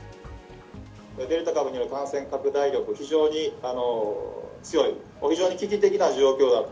デルタ株による感染拡大力、非常に強い、非常に危機的な状況だと。